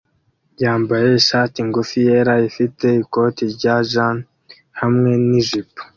yambaye ishati ngufi yera ifite ikoti rya jean hamwe nijipo